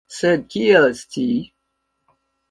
Sed kiel scii?